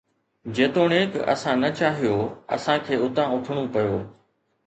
جيتوڻيڪ اسان نه چاهيو، اسان کي اتان اٿڻو پيو